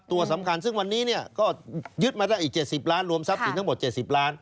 ตัวสำคัญซึ่งวันนี้เนี่ยก็ยึดมาได้อีก๗๐ล้านรวมทรัพย์สินทั้งหมด๗๐ล้าน